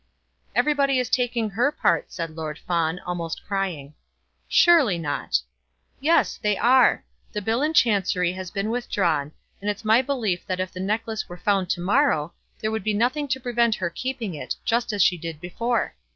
"Everybody is taking her part," said Lord Fawn, almost crying. "Surely not." "Yes; they are. The bill in Chancery has been withdrawn, and it's my belief that if the necklace were found to morrow, there would be nothing to prevent her keeping it, just as she did before."